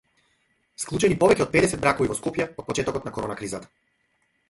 Склучени повеќе од педесет бракови во Скопје од почетокот на корона кризата